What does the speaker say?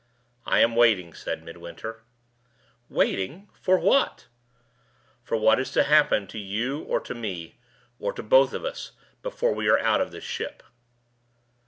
"I am waiting," said Midwinter. "Waiting! What for?" "For what is to happen to you or to me or to both of us before we are out of this ship."